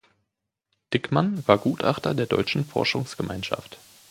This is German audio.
Dickmann war Gutachter der Deutschen Forschungsgemeinschaft.